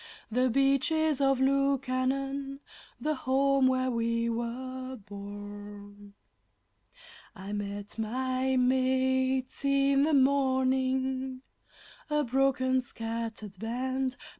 The Beaches of Lukannon the home where we were born! I met my mates in the morning, a broken, scattered band.